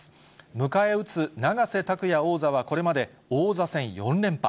迎え撃つ永瀬拓矢王座はこれまで王座戦４連覇。